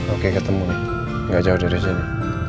oke ketemu nih gak jauh dari sini